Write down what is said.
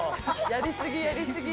やり過ぎ、やり過ぎ。